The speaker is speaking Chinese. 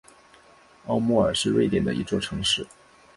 奥莫尔是瑞典的一座城市。